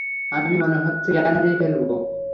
আমি মনে হচ্ছে জ্ঞান হারিয়ে ফেলব!